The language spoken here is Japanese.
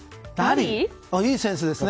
いいセンスですね。